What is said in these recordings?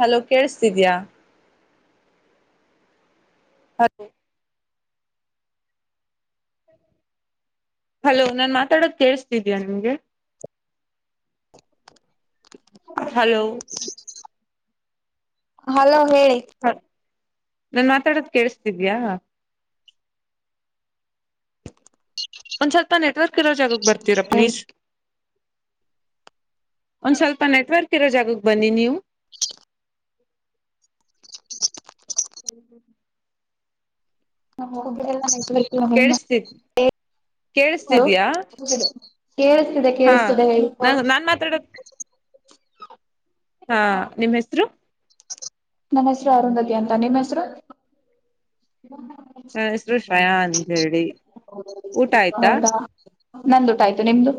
Hello ಕೇೇಳಸ್ತಿದ್ಯಾ hello hello ನಾನ್ ಮಾತಾಡದ ಕೇೇಳಸ್ತಿದೀಯ ನಿಮ್ಗೆ [inaudible] ಹಲೋ ಹಲೋ ಹೇಳಿ ನಾನ್ ಮಾತಾಡೋದ ಕೇಳಸ್ತಿದ್ಯಾ ಒಂದ್ ಸ್ವಲ್ಪ ನೆಟ್ವರ್ಕ್ ಇರೋ ಜಾಗಕ್ಕೆ ಬರ್ತೀರಾ ಹೇಳಿ ಪ್ಲೀಸ್ ಒಂದ್ ಸ್ವಲ್ಪ ನೆಟ್ವರ್ಕ್ ಇರೋ ಜಾಗಕ್ಕೆ ಬನ್ನಿ ನೀವು [inaudible] [inaudible] ಹಲ್ಲ ಕೇಳಸ್ತಿದ್ಯಾ ಕೇಳಿಸ್ತಿದೆ ಕೇೇಳಸ್ತಿದೆ ನಾನ್ ಮಾತಾಡೋದ ಹಾ ನಿಮ್ಮ್ ಹೆಸರು ನನ್ನ ಹೆಸರು ಅರುಂಧತಿ ಅಂತ ನಿಮ್ಮ್ ಹೆಸರು ಹ ಹೆಸರು ಶ್ರಯಾ ಅಂತ ಹೇಳಿ ಊಟ ಆಯ್ತಾ ಹೌದಾ ನಂದು ಟ ಆಯ್ತು ನಿಮ್ದು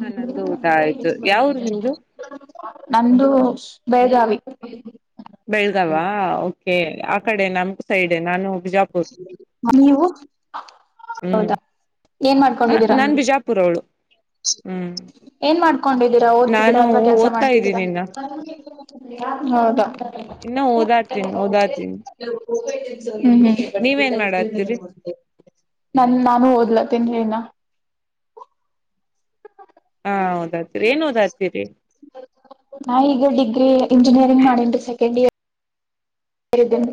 ಹ ನಂದು ಊಟ ಆಯ್ತು ಯಾವರು ನಿಮ್ದು ನಂದು ಬೆಳಗಾವಿ ಬೆಳ್ಗಾವ ಕೆ ಆ ಕಡೆ ನಮ ಸೈಡ್ ನಾನು ಬಿಜಾಪುರ್ ನೀವು ಹ್ಮ್ ಹೌದಾ ಏನ್ ಮಾಡ್ಕೊಂಡಿದ್ದೀರಾ ನಾನ್ ಬಿಜಾಪುರ ಅವಳು ಹ್ಮ್ ಏನ್ ಮಾಡ್ಕೊಂಡಿದ್ದೀರಾ ನಾನು ಓದ್ತಿದ್ದೀರಾ ಅಥವಾ ಕೆಲ್ಸ ಓದ್ತಾ ಮಾಡ್ತಿದ್ದೀರಾ ಇದ್ದೀನಿ ಇನ್ನ ಹೌದಾ ಇನ್ನು ಓದಾಚನ್ ಓದಾಚನ್ ಮಾಡಾತ್ತೀರಿ ನನ್ ನಾನು ಓದ್ಲ ತಿನ್ನ ಹಾ ಹೌದ್ತೀರಿ ಏನ್ ದ್ತೀರಿ ನಾ ಈಗ ಡಿಗ್ರಿ ಇಂಜಿನಿಯರಿಂಗ್ ಮಾಡನ್ು ಸೆಕೆಂಡ್ ಇಯರ್ಿದ್ದೇನ್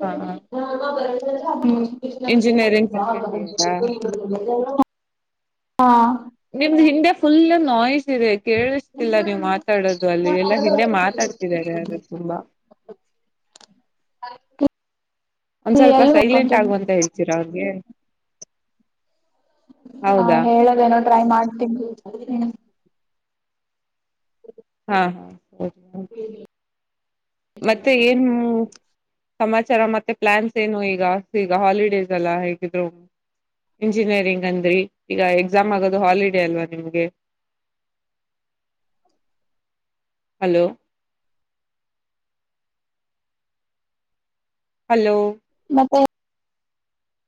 ಹಾ ಹಾ ಸೆಕೆಂಡ್ ಇಯರಾ ಹಾ ನಿಮ್ದ್ ಹಿಂದೆ ಫುಲ್ ನಾಲೇಜ್ ಇದೆ ಕೇಳಿಸ್ತಿಲ್ಲ ನೀವು ಮಾತಾಡೋದು ಅಲ್ಲಿ ಎಲ್ಲಾ ಹಿಂದೆ ಮಾತಾಡ್ತಿದಿದ್ದಾರೆ ಆದ ತುಂಬಾ ಹ ಒಂದ್ ಸ್ವಲ್ಪ ಸೈಲೆಂಟ್ ಆಗುವಂತ ಹೇಳ್ತೀರಾ ಅವ್ರಿಗೆ ಹಾ ಹೌದಾ ಹೇಳದೇನೋ ಟ್ರೈ ಮಾಡ್ತೀನಿ್ಮ ಹಾ ಹಾ ಸರಿ ಹ್ಮ ಮತ್ತೆ ಏನ್ ಸಮಾಚಾರ ಮತ್ತೆ ಪ್ಲಾನ್ಸ್ ಏನು ಈಗ ಈಗ ಹಾಲಿಡೇಸ್ ಎಲ್ಲ ಹೇಗಿದ್ರು ಇಂಜಿನಿಯರಿಂಗ್ ಅಂದ್ರರಿ ಈಗ ಎಕ್ಸಾಮ್ ಆಗೋದು ಹಾಲಿಡೇ ಅಲ್ವಾ ನಿಮ್ಗೆ ಹಲೋ ಹಲೋ ಮತ್ತ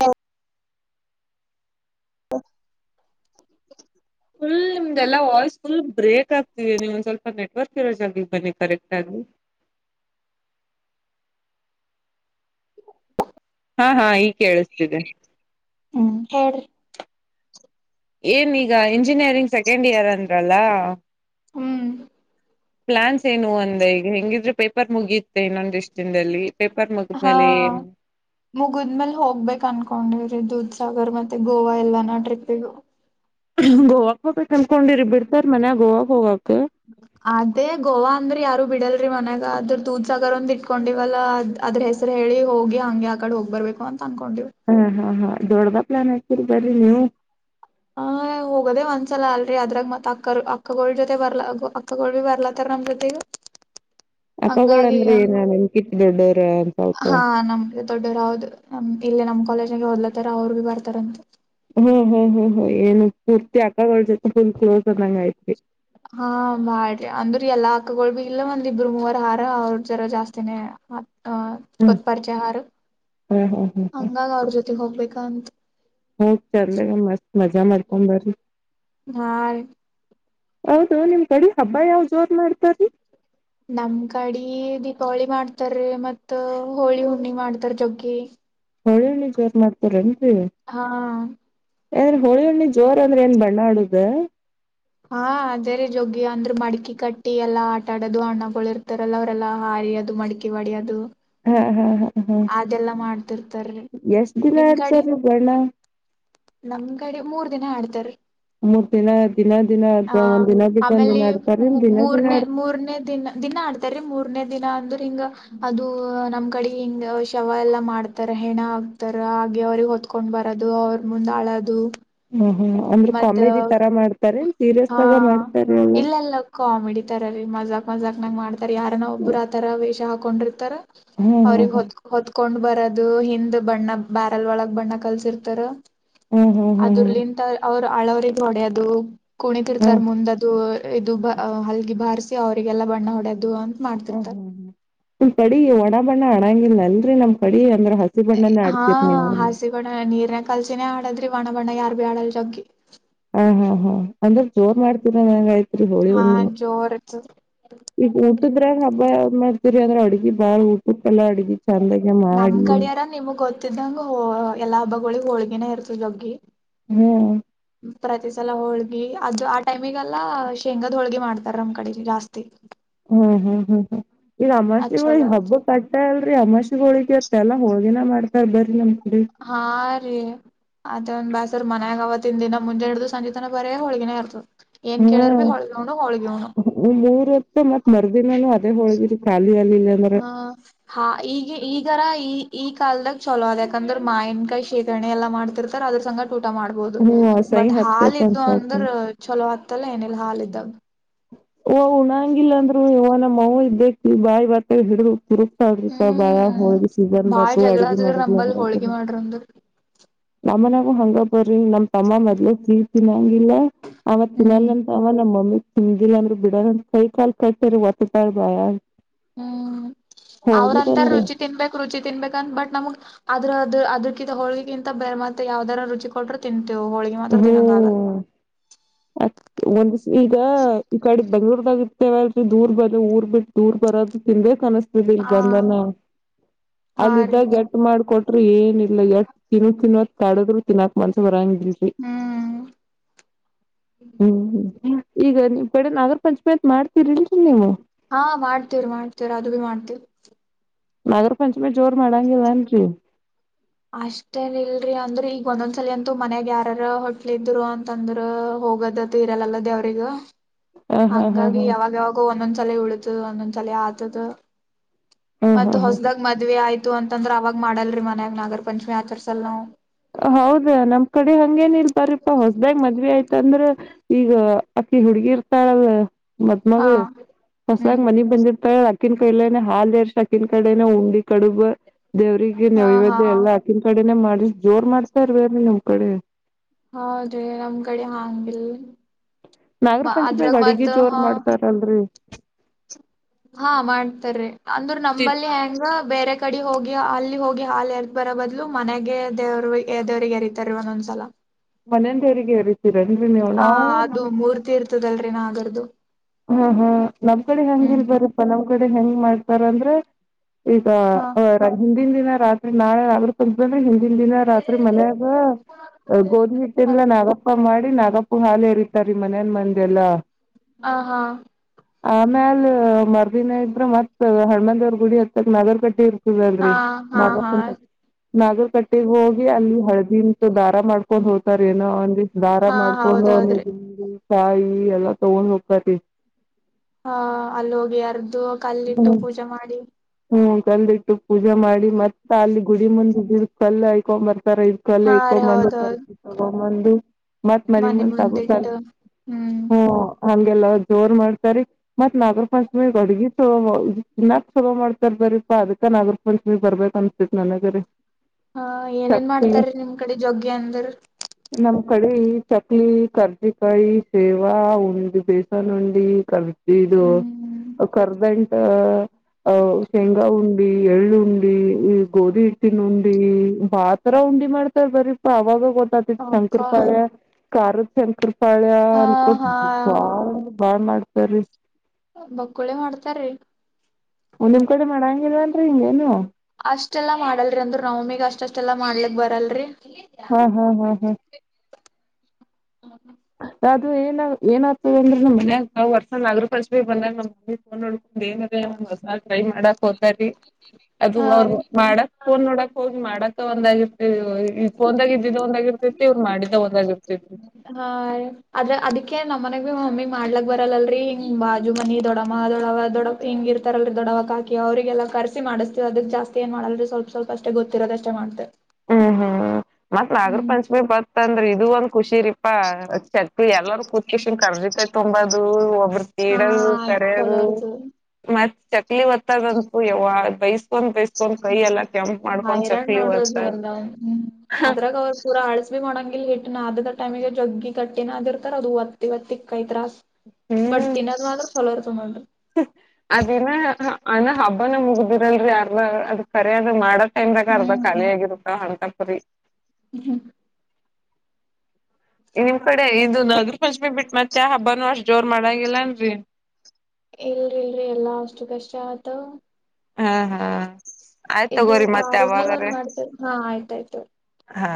ಹಾ ಫುಲ್ ನಿಮ್ದೆಲ್ಲಾ ವಾಯ್ಸ್ ಫುಲ್ ಬ್ರೇಕ್ ಆಗ್ತಿದೆ ನೀವು ಒಂದ ಸ್ವಲ್ಪ ನೆಟ್ವರ್ಕ್ ಇರೋ ಜಾಗಿ ಬನ್ನಿ ಕರೆಕ್ಟ್ ಆಗಿ ಹಾ ಹಾ ಈ ಕೇಳಸ್ತಿದೆ ಹ್ಮ್ ಹೇಳ್ರಿ ಏನ್ೀಗ ಇಂಜಿನಿಯರಿಂಗ್ ಸೆಕೆಂಡ್ ಇಯರ್ ಅಂದ್ರಲ್ಲ ಹ್ಮ್ ಪ್ಲಾನ್ಸ್ ಏನು ಅಂದ ಈಗ ಹೆಂಗಿದ್ರೆ ಪೇಪರ್ ಮುಗಿಯುತ್ತೆ ಇನ್ನೊಂದ ಇಷ್ಟ ದಿನದಲ್ಲಿ ಪೇಪರ್ ಹಾ ಮುಗಿದ್ಮೇಲೆ ಮುಗಿದ್ಮೇಲ್ ಹೋಗ್ಬೇಕ ಅನ್ಕೊಂಡಿ್ರಿ ದುದ ಸಾಗರ್ ಮತ್ತೆ ಗೋವಾ ಎಲ್ಲ ನಾ ಟ್ರಿಪ್ಿಗ ಗೋವಾಕ್ ಹೋಗ್ಬೇಕು ಅನ್ಕೊಂಡಿರಿ ಬಿಡ್ತಾರ ಮನ್ಯ ಗೋವಾಕ್ ಹೋಗಕ್ ಅದೇ ಗೋವಾ ಅಂದ್ರ ಯಾರು ಬಿಡಲ್ರರಿ ಮನ್ಯಾಗ ಅದ್ರ ದೂದ್ ಸಾಗರ್ ಒಂದ್ ಇಟ್ಕೊಂಡಿವಲ್ಲ ಅದ್ ಅದ್ರ ಹೆಸ್ರ ಹೇಳಿ ಹೋಗಿ ಹಂಗೆ ಆ ಕಡೆ ಹೋಗ್ ಬರ್ಬೇಕು ಅಂತ ಅನ್ಕೊಂಡಿವ್ ಹಾ ಹಾ ಹಾ ದೊಡ್ಡ್ದ ಪ್ಲಾನ್ ಆಗ್ತೀರಿ ಬರಿ ನೀವು ಹ ಹೋಗೋದೇ ಒಂದ್ಸಲ ಅಲ್ರಿೀ ಅದ್ರಾಗ ಮತ್ ಅಕ್ಕ ಅಕ್ಕಗಳ ಜೊತೆ ಬರ್ಲ ಅಕ್ಕಗಳು ಭ ಬರ್ಲತ್ತರ ಕ್ ಪ್ರತಿಗ ಹಂಗಾಗ ಅಕ್ಕಗಳಂದ್ರೆ ಏನ ನಿಮ್ಕಿಟ್ ದೊಡ್ಡೋರ ಒಂದ್ ಸ್ವಲ್ಪ ಹಾ ನಮಗೆ ದೊಡ್ಡೋರಾವದು ನಮ ಇಲ್ಲ ನಮ್ ಕಾಲೇಜಗೆ ಓದಲತಾರ ಅವ್ರಗ ಬರ್ತಾರಂತೆ ಹ್ಮ್ ಹ ಹ್ಮ್ ಹ್ ಏನು ಪೂರ್ತಿ ಅಕ್ಕಳ ಜೊತೆ ಫುಲ್ ಕ್ಲೋಸ್ ಅನ್ನಂಗ ಐತ್ವಿ ಹಾ ಬಾ್ರಿ ಅಂದ್ರಿ ಎಲ್ಲಾ ಹಕಗೊಳ್ಬಿ ಇಲ್ಲ ಒಂದಿಬ್ರು ಮೂವರ ಹಾರ ಅವ್ರ ಜರ ಜಾಸ್ತಿನೇ ಅ ಹ್ಮ್ ಕೊತ್ ಪರಿಚಯಾರ ಹ್ಮ್ ಹ್ಮ್ ಹ್ಮ್ ಹಂಗಾಗ ಅವ್ರ ಜೊತೆಗೆ ಹೋಗ್ಬೇಕ ಅಂತ ಹೌೋಗ ಚಲ್ಲ ಮಸ್ತ್ ಮಜಾ ಮಾಡ್ಕಾ ಬರಿ ಹಾ ಹೌದು ನಿಮ್ ಕಡೆ ಹಬ್ಬ ಯಾವ್ ಜೋರ್ ಮಾಡ್ತಾರರಿ ನಮ್ ಕಾಡಿ ದೀಪಾವಳಿ ಮಾಡ್ತಾರ ಮತ್ ಹೋಳಿ ಹುಣ್ಣಿ ಮಾಡ್ತಾರ ಜೊಗ್ಗಿ ಹಳ್ಳಳ್ಳಿ ಜೋರ್ ಮಾಡ್ತರ ಹಾ ಏಂದ್ರೆ ಹುಳಿ ಹುಣ್ಣಿ ಜೋರ ಅಂದ್ರೆ ಏನ್ ಬಣ್ಣಾ ಆಡುದ ಹಾ ಅದೇ ರೀ ಜೊಗ್ಗಿ ಅಂದ್ರೆ ಮಡಕಿ ಕಟ್ಟಿ ಎಲ್ಲಾ ಆಟಾಡೋದು ಅಣ್ಣಗಳ ಇರ್ತಾರಲ್ಲ ಅವ್ರೆಲ್ಲಾ ಅದು ಮಡಿಕೆವಾಡಿ ಅದು ಹಾ ಹಾ ಹಾ ಹಾ ಮಾಡ್ತಿರ್ತಾರೀ ಎಷ್ಟ ದಿನ ಆಡ್ತಾರ ಬಣ ನಮ್ಗಡೆ ಮೂರ್ ದಿನ ಆಡ್ತಾರ ಮೂರ್ ದಿನ ದಿನ ದಿನ ಹ ಅಥವಾ ಒಂದ್ ದಿನ ಬಿಟ್ಟು ಒಂದ್ ಆಮೇಲೆ ದಿನ ಆಡ್ತಾರೇನ್ ದಿನ ದಿನ ಮೂರನೇ ಆಡ್ ಮೂರನೇ ದಿನ ದಿನ ಆಡ್ತೇರಿ ಮೂರ್ನೇ ದಿನ ಅಂದ್ರೆ ಹಿಂಗ ಅದು ನಮ್ ಕಡೆ ಹಿಂಗ ಶವ ಎಲ್ಲ ಮಾಡ್ತಾರ ಹೆಣ ಆಗ್ತಾರ ಹಾಗೆ ಅವ್ರಿಗೆ ಹೊತ್ಕೊಂಡ್ ಬರೋದು ಅವ್ರ ಮುಂದ್ ಆಳೋದು ಹ ಹ ಹ ಅಂದ್ರೆ ಕೊಾಮೇದಿ ತರ ಮಾಡ್ತಾರೆ ಸೀರಿಯಸ್ ಹಾ ಆಗ ಮಾಡ್ತಾರೆ ಎಲ್ಲ ಇಲ್ಲೆಲ್ಲ ಕಾಮಿಡಿ ತರ ಮಜಾಕ್ ಮಜಾಕ್ನಾಗ ಮಾಡ್ತಾರ ಯಾರ ಒಬ್ರು ಆತರ ವೇಷ ಹಾಕೊಂಡಿರ್ತಾರ ಹ್ಮ್ ಅವ್ರ ಹೊ ಹ್ಮ್ ಹೊ ಕೊಂಡ್ ಬರದು ಹಿಂದ್ ಬಣ್ಣ ಬ್ಯಾರಲ್ ಒಳಗ್ ಬಣ್ಣ ಕಲ್ಸಿರ್ತಾರ ಹ್ಮ್ ಹ್ಮ್ ಹ್ಮ್ ಹ್ಮ್ ಹ್ಮ್ ಹ್ಮ್ ಅದರ್ಲಿಂತ ಅವರು ಅಳವ್ರರಿಗೆ ಹೊಡೆ ಅದು ಕುಣಿದಿರ್ತಾರ ಮುಂದದು ಇದು ಹಲ್ಲಿಗೆ ಬಾರಿಸಿಿ ಅವರಿಗೆಲ್ಲಾ ಬಣ್ಣ ಹೊಡ ಹ ಹ್ಮ್ ಉಲ್ ಪಡಿ ಒಣ ಬಣ್ಣ ಹಣಂಗಿಲ್ಲ ಅಲ್ರಿ ನಮ್ ಕಡಿ ಅಂದ್ರ ಹಸಿ ಬಣ್ಣನ ಹಾ ಆಡ್ತಿರ್ ನೀವು ಹಾಸಿ ಕೊಡಣ ನೀರ್ನ ಕಲ್ಸಿನೇ ಆಾಡದ್ರೆ ವಣವಣ ಯಾರ ಬೇ ಆಳಲ್ ಜಂಗಿ ಹಾ ಹಾ ಹಾ ಅಂದ್ರ ಜೋರ್ ಮಾಡ್ತನನ್ ಹೆಂಗ ಐತ್ರಿ ಹೋಳಿ ಹಾ ಹು ಜೋರ್ ಇರ್ತದ. ಈಗ ಊಟದ್ರಾಗ ಹಬ್ಬ ಯಾವ ಮಾಡ್ತರಿ ಅದ್ರೆ ಅಡ್ಗಿ ಬಾಳ್ ಊಟಕ್ಕೆ ಎಲ್ಲಾ ಅಡ್ಗ ನಮ್ ಕಡಿಯಾರ ನಿಮಗ್ ಗೊತ್ತಿದ್ದಂಗ ಎಲ್ಲಾ ಬ ಳಿ ಹೋಳ್ಗಿನೇ ಇರ್ತದೆ ಜಗ್ಗಿ ಹ್ಮ್ ಪ್ರತಿಿಸಲ ಹೋಳ್ಗಿ ಅದು ಆ ಟೈಮಿಗೆಲ್ಲ ಶೇಂಗಾದ್ ಹೋಳ್ಗಿ ಮಾಡ್ತಾರ ನಮ್ ಕಡೆಲಿ ಜಾಸ್ತಿ ಹ್ಮ್ ಹ್ಮ್ ಹ್ಮ್ ಹ್ಮ್ ಈಗ ಅದ್ ಅಮಾಸಿಗಳಿ ಚಲೋ ಹಬ್ಬ ಐತಿ. ಕಟ್ಟತಾ ಅಲ್ರರಿ ಅಮಾಾಸಿಗಳೋಳಿಗೆ ಮೆಲ್ಲಾ ಹೋಳಿನ ಮಾಡ್ತಾರ ಬರರಿ ನಮ ಹಾ ರೀ ಅದೇ ಒಂದ್ ಬಾಸಸರ್ ಮನ್ಯಾಗ ಅವವತ್ತಿನ ದಿನ ಮುಂ ಹಿಡು ಸಂಜೆ ತನ ಬರಾಗ ಹೊಳಗಿನೇ ಇರ್ತದು ಹ್ಮ್ ಮೂರ ಹೊತ್ತು ಮತ್ತ್ ಮರುದಿನಾನೂ ಅದೇ ಹೊಳಗಿರಿ ಖಾಲ ಹ ಹಾ ಈಗ ಈಗಾರ ಈ ಈ ಕಾಲದಾಗ ಚಲೋ ಅದ ಯಕಂದ್ರೆ ಮಾಯನ್ಕಾಯಿ ಶೇಖರಣೆ ಎಲ್ಲಾ ಮಾಡ್ತಿರ್ತರ್ ಅದ್ರ ಸಂ ಊಟ ಮಾಡ್ಬೋದು ಹ್ಮ ಸಹಿ ಬಟ್ ಹತ್ತೈತ್ ಅಂತ ಹಾಾಲಿದ್ದು ಅಂದ್ರ ಹೇಳ್ತಾನ ಚಲೋ ಆಗ್ತಲ್ಲ ಏನಿಲ್ಲ ಹಾಾಲಿದ್ದಾಗ ಓ ಉಣಂಗಿಲ್ಲ ಅಂದ್ರು ಇವ ನಮ್ಮ್ ಅ ಇದ್ದ ಬಾಯಿ ಬರ್ತ ಹಿಡಿದ್ರು ಪ ಬಾಳ ಹ್ಮ್ ಹೋಿ ಸೀಸನ್ ಬಾಳ್ ಬಯತು ಅಡ್ಗೆ ಜಗಳಾದ್ರ ಮಡಗೆ ನಂಬಲ್ ಹೋಳ್ಗಿ ಮಾಡ್ರಂದ್ರ ನಮ್ಮನ ಹಂಗ ಬರ್ರಿ ನಮ್ ತಮ್ಮ ಮೊ್ೇ ಕೀ ತಿನ್ನಂಗಿಲ್ಲ ಅವ ಹ್ಮ್ ತಿನ್ನಲ್ಲಂತವ ನಮ್ಮ ಮಮ್ಮಿ ಹಮಂಗಿಲ್ಲ ಅಂದ್ರರು ಬಿಡ ಕೈ ಕಾಲ್ ಕಟ್ಟ್ರ ಒತ್ತಪಾಯ ಬಯ ಹ್ಮ್ ಅವ್ರಂತಾರ ರುಚಿ ತಿನ್ಬೇಕು ರುಚಿ ತಿನ್ಬೇಕಂತ ಬಟ್ ನಮಗ್ ಅದ್ರದು ಅದ ಹೋಳಿಗಿಂತ ಬೇರ್ ಮತ್ ಯಾವ್ದಾರರು ರುಚಿ ಕೊಟ್ಟರು ತಿಂತ ಹ್ಮ್ ಅ ಒಂದಿವ ಈಗ ಈ ಕಡೆ ಬೆಂಗ್ಳೂರ್ದಾಗಿತ್ತು ಲ್ ದೂರ್ ಬದು ಊರ್ ಬಿಟ್ಟ ದೂರ್ ಬರೋದು ತಿನ್ಬೇಕೇ ಕನಸ್ತ ಲ್ ಹಾ ಬಂದಾನ ಹಾ ಅಲ್ಲ ರೀ ಇದಿದ್ದಾಗ ಟ್ ಮಾಡಕೊಟ್ರರು ಏನಿಲ್ಲ ಟ್ ತಿನ್ನು ತಿನ್ನೋತ್ ಕಾಡದ್ರು ತಿನ್ನಾಕ್ ಮಾನ್ಸ ಬರಾಂಗಿಲ್ರಿ ಹ್ಮ್ ಹ್ಮ್ ಈಗ ನೀ್ ಕಡೆ ನಾಗರ ಪಂಚಮಾಯತ್ ಮಾಡ್ತೀರಿಲ್ರಿ ನೀವು ಹಾ ಮಾಡ್ತೇವ್ರ ಮಾಡ್ತೇವ್ರ ಅದು ಭೀ ಮಾಡ್ತೇವ ನಗರ ಪಂಚಮಿ ಜೋರ್ ಮಾಡಾಂಗಿಲ್ಲಏನ್ರಿ ಅಷ್ಟೇನ್ ಇಲ್ರರಿ ಅಂದ್ರ ಈಗ ಒಂದೊಂದ್ಸಲ ಅಂತೂ ಮನ್ಯಾಗ ಯಾರಾರ ಹೋಟ್ಲ್ ಇದ್ರು ಅಂತಂದ್ರ ಹೋಗೋದದುು ಇರಲ್ಲಲ್ಲದೇ ಅವ್ರಗ ಹ ಹಾ ಹಾ ಹಂಗಾಗಿ ಹಾ ಯಾವಾಗ ಯಾವಾಗ ಒಂದೊಂದ್ಸಲ ಉಳತದ ಒಂದೊಂದ್ಸಲ ಆತದ ಹ್ಮ್ ಮತ್ ಹ್ಮ್ ಹ್ಮ್ ಹೊಸದಾಗ ಮದ್ವೆ ಆಯ್ತು ಅಂತಂದ್ರ ಅವಾಗ ಮಾಡಲ್ರಿ ಮನ್ಯಾಗ ನಾಗರ ಪಂಚಮಿ ಆಚರ್ಸಲ್ ನವು ಹೌದಾ ನಮ್ ಕಡೆ ಹಂಗೇನ್ ಇಲ್ ಬರಪ್ಪಾ ಹೊಸ್ದ್ಯ್ ಮದ್ವಿ ಆಯ್ತು ಅಂತಂದ್ರೆ ಈಗ ಅಕ್ಕಿ ಹುಡ್ಗಿ ಇರ್ತಾಳಲ್ ಮತ್ ಹಾ ಮಗಳು ಹ್ಮ್ ಹೊಸದಾಗ್ ಮನಿಗ್ ಬಂದಿರ್ ಅಕ್ಕಿನ ಕಡನೆ ಹಾಲ್ ಎರ್ಷ್ಟ ಅಕ್ಕಿನ ಕಡೆನ ಉಂಡಿ ಕಡುಬ ದೇವ್ರಿಗೆ ಹಾ ನವು ಹಾ ಇವದ ಎಲ್ಲಾ ಆಾಕನ್ ಕಡೆನೇ ಮಾಡಿ ಜೋರ್ ಮಾಡ್ತಾ ಇರ್ವೇೀ ನಮ್ ಕಡೆ ಹೌದ್ರಿ ನಮ್ ಕಡೆ ಹಂಗೆ ಎಲ್ಲ ನಾಗರ ಮ ಪಂಚಮಿಗ್ ಅದ್ರಾಗ ಮ ಅಡಿಗಿ ಜೋರ್ ಹ ಮಾಡ್ತಾರಲ್ರಿ ಹಾ ಮಾಡ್ತಾರೀ ಅಂದ್ರರು ನಂಬಲ್ಲಿ ಹೆಂಗ ಬೇರೆ ಕಡೆ ಹೋಗಿ ಅಲ್ಲಿ ಹೋಗಿ ಹಾಲು ಎದ ಬರೋ ಬದ್ಲು ಮನೆಗೆ ದೇವ್ರು ದೇವ್ರಿಗೆ ಎರರಿತಾರೆ ಒಂದೊಂದ್ಸ ಲ್ಲ [unintelligible] ಮನೇಂದ ಹೇರಿಗೆ ರ [unintelligible] ಆ ಅದು ಮೂರ್ತಿ ಇರ್ತದಲ್ರಿ ನ ಆಗಾರದುು ಹ್ಮ ಹ್ಮ ನಮ್ ಕಡೆ ಹೆಂಗ ಇಲ್ಬಾರಪ್ಪಾ ನಮ್ ಕಡೆ ಹೆಂಗ್ ಮಾಡ್ತಾರ ಅಂದ್ರೆ ಈಗ ಹಾ ಹಿಂದಿನ ದಿನ ರಾತ್ರಿ ನಾಳೆ ಅ್ರ ತಂದ್ರೆ ಿನ [unintelligible] ದಿನ ರಾತ್ರಿ ಮನಯಾಗ ಗೋಧಿ ಹಿಟ್ಟಲ್ಲ ನಾಗಪ್ಪ ಮಾಡಿ ನಾಗಪ್ಪು ಹಾಲ ಹೇರಿತಾರಿೀ ಮನೇನ್ ಮಂದಿ ಎಲ್ಲಾ ಹ ಹಾ ಆಮ್ಯಲ್ ಮರ್ದಿನ ಇದ್ರೆ ಮತ್ ಹಣ್ಮಂದವ್ರ ಗುಡಿ ಹತ್ತಕ್ ನಗರ್ ಕಟ್ಟಿ ಇರ್ ಲ್ರಿ ಹಾ ಹಾ [unintelligible] ನಾಗಲ್ ಕಟ್ಟೆಗೆ ಹೋಗಿ ಅಲ್ಲಿ ಹಳದಿಂತು ದಾರ ಮಾಡ್ಕೊಂಡ್ ಹೋಗ್ ಹೋಗತಾರ ಏನ ಒಂದಿ ದಾರ ಹಾ ಮಾಡ್ಕೊಂಡುಂದಿ ಹೌದೌದ್ರಿ ಕಾಯಿ ಎಲ್ಲಾ ತಗೊಂಡ್ ಹೋಗ್ತಾರಿ [inaudible] ಹಾ ಅಲ್ಲಿ ಹೋಗಿ ಅರ್ದುು ಕಲ್ಲಿಟ್ಟು ಪೂಜೆ ಮಾಡಿ ಹ್ಮ್ ಕಲ್ಟ್ಟು ಪೂಜೆ ಮಾಡಿ ಮತ್ತ ಅಲ್ಲಿ ಗುಡಿ ಮುಂದೆ ಗಿಡ ಕಲ್ಲು ಆಯ್ಕೊರ್ ರ ಇದ್ ಕಲೆ ಹಾ ರೀ ಇಕೊಂಬಂದು ತರ್ಕ ಹೌದೌದು ತಗೊಂಬಂದು ಮಾತ್ ಮನೆ ಮುಂದೆ ಹ್ಮ್ ಹ್ಮ ಹಗೆಲ್ಲ ಜೋರ್ ಮಾಡ್ತಾರಿ ಮತ್ತ್ ನಾಗರ ಪಂಚಮಿ ಅಡ್ಗಿ ತಿನ್ನಕ್ ಚಲೋ ಮಾಡುತ್ತಾರೆ ಬರಿಪಾ ಅದಕ್ಕ ನಾಗರ ಪಂಚಮಿ ಬರ್ಬೇಕ ಅನ್ಸ್ತಿತ್ ನನಗರಿೀ ಹಾ ಏನೇನ್ ಮಾಡ್ತಾರ ನಿಮ್ ಕಡೆ ಜೊಗ್ಗೆಿ ಅಂದ್ರ ನಮ್ಮ್ ಕಡೆ ಈ ಚಕ್ಲಿ ಕರ್ಜಿಕಾಯಿ ಸೇವಾ ಉಂಡಿ ಬೇಸನ್ ಉಂಡಿ ಕರ್ ಇದು ಹ್ಮ್ ಕರ್ದಂಟ [unintelligible] ಆಹ ಶೇಂಗಾ ಹುಂಡಿ ಎಲ್ ಹುಂಡಿ ಗೋಧಿ ಹುಂಡಿ ಬಹಳ ತರ ತಿಂಡಿ ಮಾಡ್ತಾರ ಬರರಿ ಪ ಅವಾಗ ಪತ ತಿ [unintelligible] ಶಂಕರ ಅಪ್ಪಾ ಪಳೆಯ ಕಾರ ಶಂಕರ ಪಳೆಯ ಹಾ ಅಕ ಹಾ ಬಾಳ್ ಮಾಡ್ತಾರೀ ಬಕ್ಕುಳೆ ಮಾಡ್ತಾರೀ ಒಂದ್ ನಿಮ್ ಕಡೆ ಮಾಡಾಂಗಲ್ವಾ ಅಂದ್ರೆ ಹಿಂಗೇನು ಅಷ್ಟೆಲ್ಲಾ ಮಾಡಲ್ರಿ ಅಂದ್ರರು ನವಮಿಗ್ ಅಷ್ಟಷ್ಟೆಲ್ಲ ಮಾಡ್ಲಿಕ್ ಬರಲ್ರರಿ ಹಾ ಹಾ ಹಾ ಹಾ ಹ್ಮ ಅದು ಏನ್ ಏನ ಆಗ್ತದ ಅಂದ್ರೆ ನ್ ಮನ್ಯಾಗ ನ್ ವರ್ಷ ನಾಗರ ಪರಿಶ ಬಂದ ನಮ್ಮ ಮಮ್ಮಿ ತಗೊಂಡ್ ನೋಡು ೇನ್ರ [unintelligible] ಒಂದ್ ಹೊಸ ಟ್ರೈ ಮಾಡಾಕ್ ಹೋದತಾರರಿ ಅದು ಹಾ ಅವ್ರ ರೀ ಮಾಡಕ್ ನ್ ನೋಡಕ್ ಹೋಗಿ ಮಾಡಕ ಒಂದಾಗಿರ್ ಈ ಫೋನ್ದಾಗ ಇದಿದ್ದ ಒಂದಾಗಿರ್ತೈತಿ ಇವ್ರು ಮಾಡಿದ ಒಂದಾಗಿರ್ತ ಹಾ ಆದದ್ರ ಅದಿಕ್ಕೆ ನಮ್ಮ ಮನಗ್ ಮಮ್ಮಿ ಮಾಡ್ಲಕ್ ಬರಲ್ಲಲ್ರರಿ ಹಿಂಗ್ ಬಾಜು ಮನಿ ದೊಡಮ್ಮ ದೊಡವ ದೊಡವ ಹಿಂಗ ಇರ್ತಾರಲ್ರಿ ದೊಡವಕ್ ಕಾಕಿ ಅವ್ರರಿಗೆಲ್ಲ ಕರ್ಸಿ ಮಾಡ್ತೀವಿ ಅದಕ್ ಜಾಸ್ತಿ ಏನು ಮಾಡಲ್ಲಲ್ರಿ ಸ್ವಲ್ಪ ಸ್ವಲ್ಪ ಅಷ್ಟ ಗೊತ್ತಿರೋದಷ್ಟೇ ಮಾಡತ್ತೆ ಹ್ಮ್ ಹ್ಮ್ ಮತ್ತ್ ನಾಗರ ಪಂಚಮಿ ಬತ್ ಅಂದ್ರೆ ಇ ಇದು ಒಂದ್ ಖುಷಿ ಇರಿಪಾ ಚಕ್ ಎಲ್ಲರೂ ಕೂತ್ಕನ್ ಕರ್ಜಿತೈ ತೊಂಬದು ಒ ಒ್ರ ಹಾ ತೀಡದು ಕರೆಯದು ಚಲೋ ಇರ್ತದ ಮತ್ತ ಚಕ್ಲಿ ಹೊತ್ತದಂತು ಯಾವಾಗ ಬಯ ಕೊ್ [unintelligible] ಬೈಸ್ಕೊಂಡ್ ಕೈಯಲ್ಲ ಕೆಂಪ್ ಮಾಡ್ಕೊಂಡ್ ಚಕ್ಲಿ ಒತ್ತದ್ ್ಮ ಅದ್ರಾಗ ಅವ್ರು ಪೂರ ಅಳಿಸ್ಬೇಕು ಮಾಡೋಂಗ ಹಿಟ್ ನ ಅದ ಟೈಮಗ ಜಗ್ಗಿ ಕಟ್ಟೆನ ಆದಿರ್ತಾರ ಅದು ಒತ್ತ ಇವ ತಿಕ್ಕಐತ್ ಬಟ್ ಹ್ಮ್ ತಿನ್ನೋದ್ ಮಾತ್ರ ಚಲೋ ಇರ್ ತೊಗೋಲ್ಿ ಅದಿನ ಅ ಹಬ್ಬನ ಮುಗ್ದಿರಲ್ರಿ ಯಾರ್ಲ ಅದ ಕರಿಾದ ಮಾಡಕ್ ದ ಅರ್ದ ಖಾಲಿ ಆಗಿರುತ್ತ ಹೊಂಟ ಪುರಿ ಹ್ಮ ನಿಮ್ ಕಡೆ ಇದು ನಾಗರ ಪಂಚಮಿ ಬಿಟ್ಟ ಮತ್ತೆ ಹಬ್ಬಾನ ಅಷ್ಟ್ ಜೋರ್ ಮಾಡಂಗಿಲ್ಲನ್ರರಿ ಇಲ್ರಿ ಇಲ್ರಿ ಎಲ್ಲಾ ಅಷ್ಟು ಕಷ್ಟ ಆಯತ ಹಾ ಹಾ ಆಯ್ತ ಇದು ತಗೋರಿ ಮತ್ತೆ ಕಾರುಣಿ ಒಂದ್ ಅವಾವಾಗ್ರ ಮಾಡ್ತೇರಿ ಹಾ ಆಯ್ತಾಯ್ತು ಹಾ